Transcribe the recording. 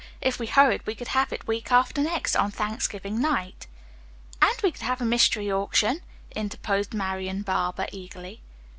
If we hurried we could have it week after next, on Thanksgiving night." "And we could have a Mystery Auction," interposed Marian Barber eagerly.